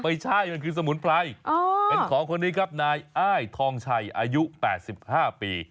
ไม่ใช่มันคือสมุนไพรเป็นของคนนี้ครับนายอ้ายทองชัยอายุ๘๕ปี